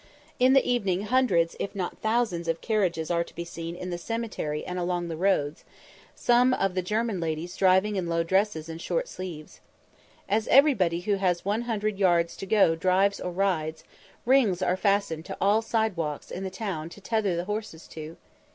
In the evening hundreds, if not thousands, of carriages are to be seen in the cemetery and along the roads, some of the German ladies driving in low dresses and short sleeves. As everybody who has one hundred yards to go drives or rides, rings are fastened to all the side walks in the town to tether the horses to.